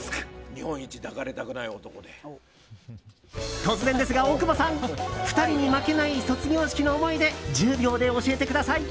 突然ですが、大久保さん２人に負けない卒業式の思い出１０秒で教えてください。